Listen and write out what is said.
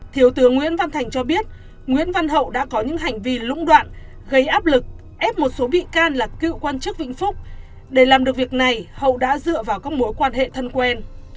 thiếu tướng nguyễn văn thành cho biết nguyễn văn hậu đã có những hành vi lũng đoạn gây áp lực ép một số bị can là cựu quan chức vĩnh phúc để làm được việc này hậu đã dựa vào các mối quan hệ thân quen